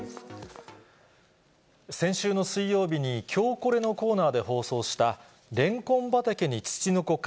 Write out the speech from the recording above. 先週の水曜日にきょうコレのコーナーで放送した、レンコン畑にツチノコか？